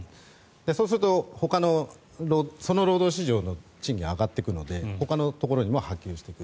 そうするとほかのその労働市場の賃金が上がっていくのでほかのところにも波及していく。